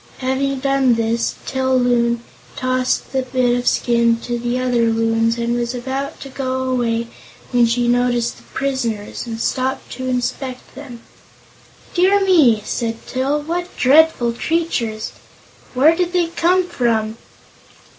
Having done this, Til Loon tossed the bit of skin to the other Loons and was about to go away when she noticed the prisoners and stopped to inspect them. "Dear me!" said Til; "what dreadful creatures. Where did they come from?"